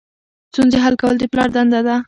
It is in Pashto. ستونزې حل کول د پلار دنده ده.